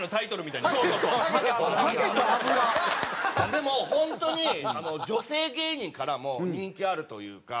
でも本当に女性芸人からも人気あるというか。